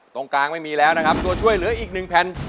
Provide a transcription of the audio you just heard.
ตรงกลางไม่มีแล้วนะครับตัวช่วยเหลืออีกหนึ่งแผ่น